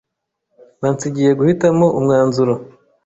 Bansigiye guhitamo umwanzuro.